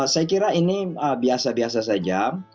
saya kira ini biasa biasa saja